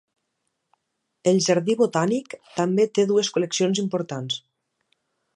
El jardí botànic també té dues col·leccions importants.